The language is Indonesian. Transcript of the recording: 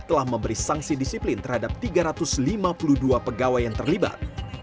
telah memberi sanksi disiplin terhadap tiga ratus lima puluh dua pegawai yang terlibat